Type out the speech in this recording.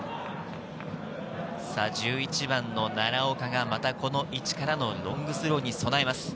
１１番の奈良岡がまたこの位置からのロングスローに備えます。